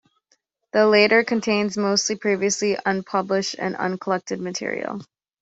The latter contains mostly previously unpublished and uncollected material.